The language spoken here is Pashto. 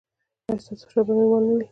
ایا ستاسو فشار به نورمال نه وي؟